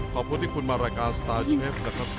ขอบคุณที่คุณมารายการสตาร์เชฟนะครับ